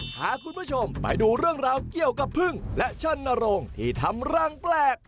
พาคุณผู้ชมไปดูเรื่องราวเกี่ยวกับพึ่งและเชิ่นนโรงที่ทำรังแปลก